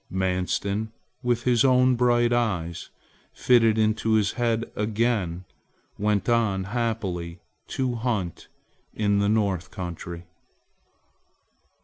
Manstin, with his own bright eyes fitted into his head again, went on happily to hunt in the North country.